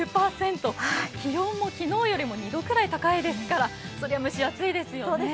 気温も昨日よりも２度ぐらい高いですからそりゃ蒸し暑いですよね。